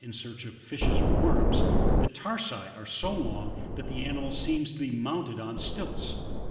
in search of fishes or worms, the tarsi are so long that the animal seems to be mounted on stilts.